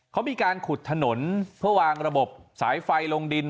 เขามีการขุดถนนเพื่อวางระบบสายไฟลงดิน